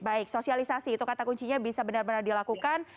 baik sosialisasi itu kata kuncinya bisa benar benar dilakukan